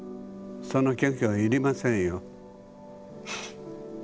その謙虚は要りませんよ。